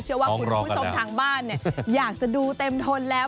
เชื่อว่าคุณผู้ชมทางบ้านอยากจะดูเต็มทนแล้ว